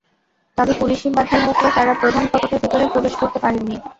তবে পুলিশি বাধার মুখে তাঁরা প্রধান ফটকের ভেতরে প্রবেশ করতে পারেননি।